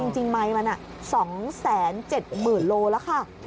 จริงไมล์มัน๒๗๐๐๐๐โลกรัมแล้วค่ะ